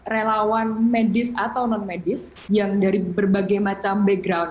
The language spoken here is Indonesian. relawan medis atau non medis yang dari berbagai macam background